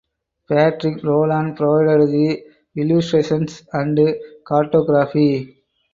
Patrick Rowland provided the illustrations and cartography.